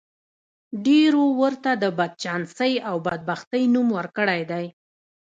ډېرو ورته د بدچانسۍ او بدبختۍ نوم ورکړی دی